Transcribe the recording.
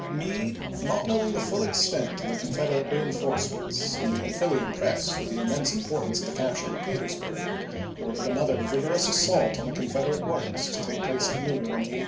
Meade, not knowing the full extent of the Con federate reinforcements, and being fully impressed with the immense importance of the capture of Petersburg, ordered another vigorous assault on the Confederate works to take place at noon on the 18th.